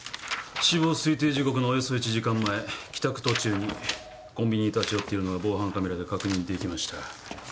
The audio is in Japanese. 死亡推定時刻のおよそ１時間前帰宅途中にコンビニに立ち寄っているのが防犯カメラで確認できました。